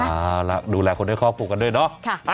เอาล่ะดูแลคนให้ครอบครัวกันด้วยเนาะ